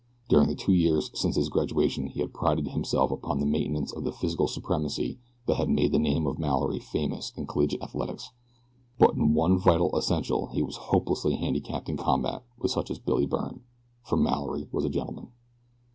During the two years since his graduation he had prided himself upon the maintenance of the physical supremacy that had made the name of Mallory famous in collegiate athletics; but in one vital essential he was hopelessly handicapped in combat with such as Billy Byrne, for Mallory was a gentleman.